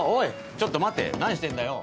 ちょっと待て何してんだよ？